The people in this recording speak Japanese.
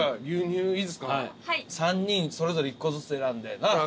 ３人それぞれ１個ずつ選んでな。